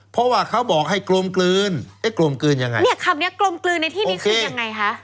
เพราะว่าเขาบอกให้กลมกลืนไอ้กลมกลืนยังไงเนี่ยคำเนี้ยกลมกลืนในที่นี้คือยังไงคะ